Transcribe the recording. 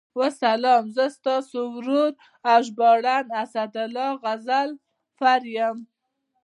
والسلام، زه ستاسو ورور او ژباړن اسدالله غضنفر یم.